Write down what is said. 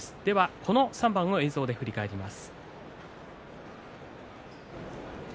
この３番の映像で振り返ります。